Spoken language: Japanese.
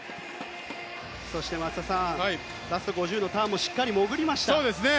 そして松田さんラスト５０のターンもしっかり潜りました。